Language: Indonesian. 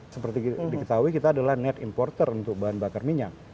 seperti diketahui kita adalah net importer untuk bahan bakar minyak